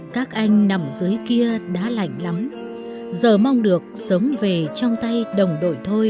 các anh nằm dưới kia đã lạnh lắm giờ mong được sớm về trong tay đồng đội thôi